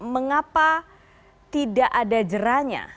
mengapa tidak ada jeranya